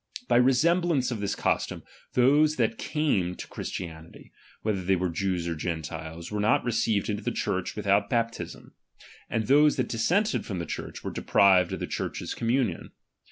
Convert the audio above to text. ( 33y resemblance of this custom, those that came to , dhristianity, whether they were Jews or Gentiles, • ^vtere not received into the Church without bap i "tism ; and those that dissented from the Church, ■were deprived of the Church's communion.